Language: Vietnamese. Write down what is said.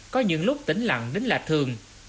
có những lúc tỉnh lặng đến lạc thường